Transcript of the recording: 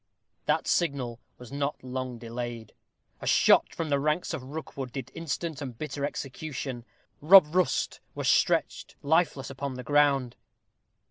That signal was not long delayed. A shot from the ranks of Rookwood did instant and bitter execution. Rob Rust was stretched lifeless upon the ground.